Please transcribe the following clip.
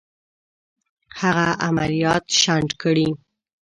هغه عملیات شنډ کړي.